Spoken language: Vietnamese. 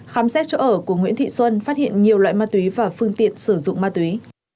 khám xét chỗ ở của nguyễn thị xuân phát hiện nhiều loại ma túy và phương tiện sử dụng ma túy